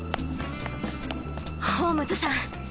ホームズさん